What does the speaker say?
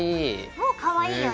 もうかわいいよね。